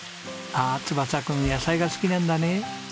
あっ翼くん野菜が好きなんだね。